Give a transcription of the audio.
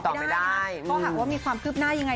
ก็หากว่ามีความคืบหน้ายังไง